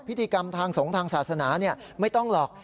พิธีกรรมทางสงฆ์ทางศาสนาไม่ต้องหรอก